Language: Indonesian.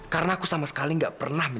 karena aku sama sekali gak percaya kamu